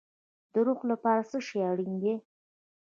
د روح لپاره څه شی اړین دی؟